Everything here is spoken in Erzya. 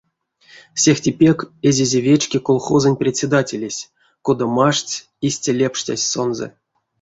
Сехте пек эзизе вечке колхозонь председателесь: кода маштсь, истя лепштясь сонзэ.